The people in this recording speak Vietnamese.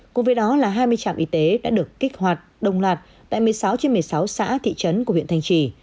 cùng với đó là hai mươi trạm y tế đã được kích hoạt đồng loạt tại một mươi sáu trên một mươi sáu xã thị trấn của huyện thanh trì